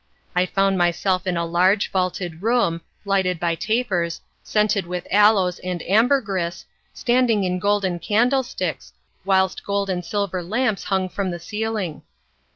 I found myself in a large, vaulted room, lighted by tapers, scented with aloes and ambergris, standing in golden candle sticks, whilst gold and silver lamps hung from the ceiling.